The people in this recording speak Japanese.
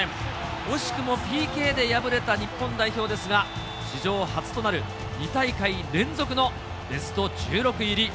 惜しくもＰＫで敗れた日本代表ですが、史上初となる２大会連続のベスト１６入り。